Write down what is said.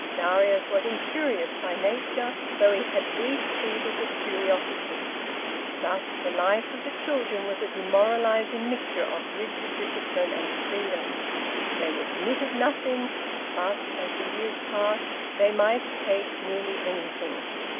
Darius was incurious by nature, though he had brief fevers of curiosity. Thus the life of the children was a demoralising mixture of rigid discipline and freedom. They were permitted nothing, but, as the years passed, they might take nearly anything.